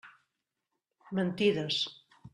Mentides.